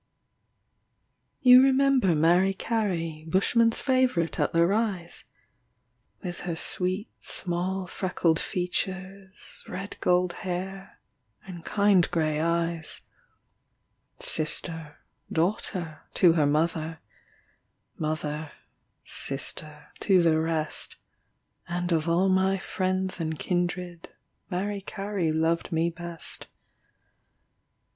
You remember Mary Carey, Bushmen's favourite at the Rise? With her sweet small freckled features, Red gold hair, and kind grey eyes; Sister, daughter, to her mother, Mother, sister, to the rest And of all my friends and kindred, Mary Carey loved me best.